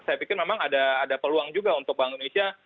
saya pikir memang ada peluang juga untuk bank indonesia